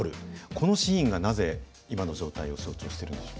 このシーンがなぜ今の状態を象徴してるんでしょう？